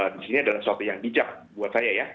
disini adalah suatu yang bijak buat saya ya